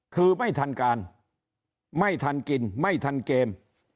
คือไม่ทันการไม่ทันกินไม่ทันเกม